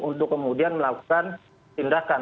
untuk kemudian melakukan tindakan